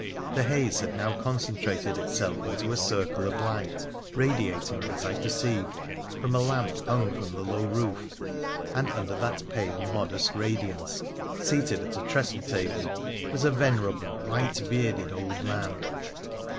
The haze had now concentrated itself into a circle of light, radiating, as I perceived, from a lamp hung from the low roof, and under that pale, modest radiance, seated at a trestle table, was a venerable white bearded old man.